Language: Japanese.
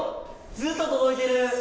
ずっと届いてる！